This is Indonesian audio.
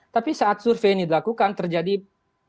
tapi saat survei ini dilakukan terjadi perubahan